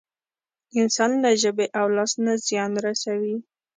انسان له ژبې او لاس نه زيان رسوي.